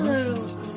これ。